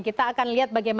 kita akan lihat bagaimana